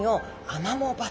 アマモ場。